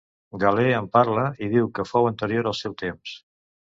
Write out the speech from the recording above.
Galè en parla i diu que fou anterior al seu temps.